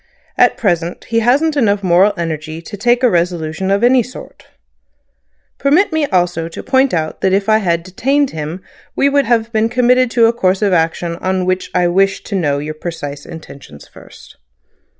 At present he hasn't enough moral energy to take a resolution of any sort. Permit me also to point out that if I had detained him we would have been committed to a course of action on which I wished to know your precise intentions first."